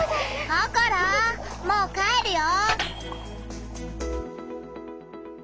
ココロもう帰るよ！